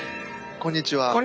こんにちは。